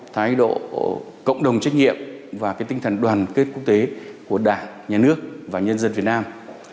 thái độ cộng đồng trách nhiệm và tinh thần đoàn kết quốc tế của đảng nhà nước và nhân dân việt nam